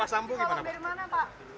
beri tahu dari mana pak